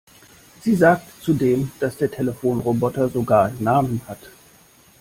Sie sagte zudem, dass der Telefonroboter sogar einen Namen hat.